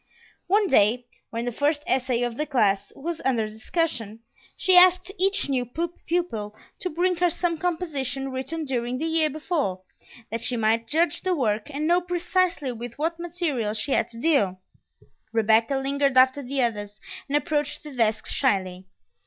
One day, when the first essay of the class was under discussion, she asked each new pupil to bring her some composition written during the year before, that she might judge the work, and know precisely with what material she had to deal. Rebecca lingered after the others, and approached the desk shyly.